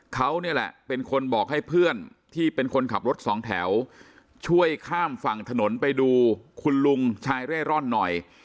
เขาเนี่ยแหละเป็นคนบอกให้เพื่อนที่เป็นคนขับรถสองแถวช่วยข้ามฝั่งถนนไปดูคุณลุงชายเร่ร่อนหน่อย